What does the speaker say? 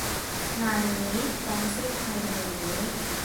งานนี้ต้องเสร็จภายในวันนี้